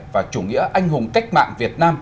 và chủ nghĩa anh hùng cách mạng việt nam